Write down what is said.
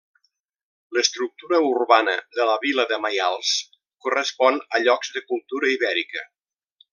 L'estructura urbana de la vila de Maials, correspon a llocs de cultura ibèrica.